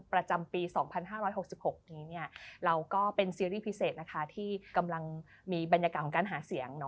ประจำปี๒๕๖๖นี้เราก็เป็นซีรีส์พิเศษนะคะที่กำลังมีบรรยากาศของการหาเสียง